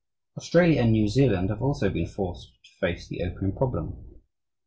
Australia and New Zealand have also been forced to face the opium problem.